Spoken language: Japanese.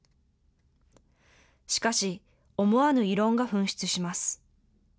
しかし、思わぬ異論が噴出します。